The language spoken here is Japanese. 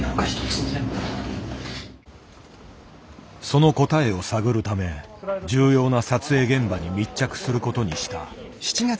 その答えを探るため重要な撮影現場に密着することにした。